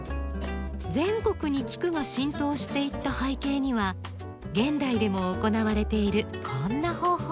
全国に菊が浸透していった背景には現代でも行われているこんな方法も。